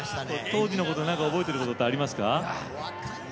当時のこと、何か覚えてることってありますか？